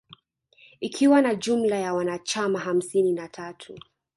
Ikiwa na jumla ya wanachama hamsini na tatu